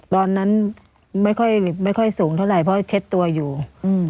ตอนนั้นไม่ค่อยไม่ค่อยสูงเท่าไหร่เพราะเช็ดตัวอยู่อืม